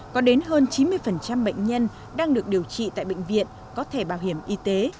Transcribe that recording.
có đến hơn chín mươi bệnh nhân đang được điều trị tại bệnh viện có thể bảo hiểm y tế